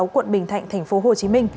quận bình thạnh tp hcm